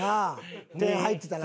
点入ってたな。